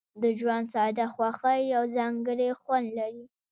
د ژوند ساده خوښۍ یو ځانګړی خوند لري.